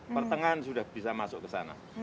pertengahan sudah bisa masuk ke sana